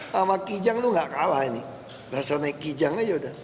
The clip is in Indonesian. sama kijang itu gak kalah ini rasa naik kijang aja udah